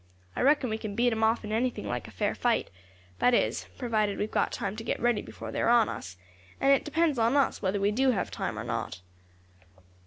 I reckon we can beat them off in anything like a fair fight that is, provided we have got time to get ready before they are on us, and it depends on us whether we do have time or not."